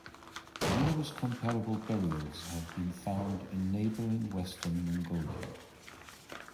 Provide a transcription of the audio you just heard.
Numerous comparable burials have been found in neighboring western Mongolia.